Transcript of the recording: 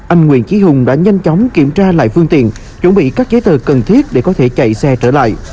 anh nguyễn trí hùng đã nhanh chóng kiểm tra lại phương tiện chuẩn bị các giấy tờ cần thiết để có thể chạy xe trở lại